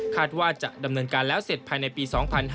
ว่าจะดำเนินการแล้วเสร็จภายในปี๒๕๕๙